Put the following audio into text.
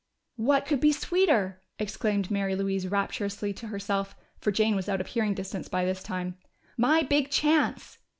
"What could be sweeter!" exclaimed Mary Louise rapturously to herself, for Jane was out of hearing distance by this time. "My big chance!"